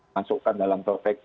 masukkan dalam projek